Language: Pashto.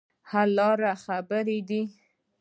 حل لاره خبرې دي.